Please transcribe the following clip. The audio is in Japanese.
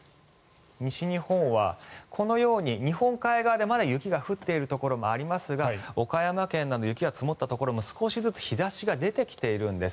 西日本はこのように日本海側でまだ雪が降っているところもありますが岡山県など雪が積もったところも少しずつ日差しが出てきているんです。